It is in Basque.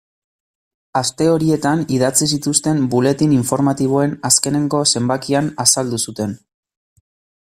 Aste horietan idatzi zituzten buletin informatiboen azkeneko zenbakian azaldu zuten.